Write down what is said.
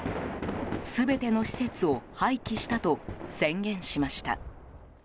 全ての施設を廃棄したと宣言しました。